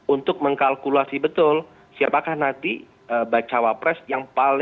untuk mengkalkulasi betul siapakah nanti bacawa pres yang paling